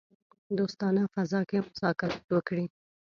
دوستانه فضا کې مذاکرات وکړي.